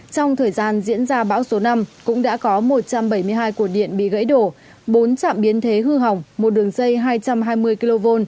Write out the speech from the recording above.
trong thời gian diễn ra bão số năm cũng đã có một trăm bảy mươi hai cổ điện bị gãy đổ bốn trạm biến thế hư hỏng một đường dây hai trăm hai mươi kv